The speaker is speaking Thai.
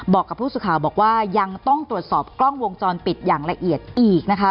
บอกกับผู้สื่อข่าวบอกว่ายังต้องตรวจสอบกล้องวงจรปิดอย่างละเอียดอีกนะคะ